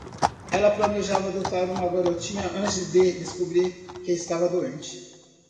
Ela planejava adotar uma garotinha antes de descobrir que estava doente.